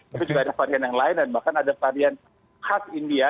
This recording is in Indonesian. tapi juga ada varian yang lain dan bahkan ada varian khas india